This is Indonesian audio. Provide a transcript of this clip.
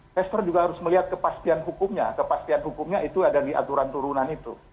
investor juga harus melihat kepastian hukumnya kepastian hukumnya itu ada di aturan turunan itu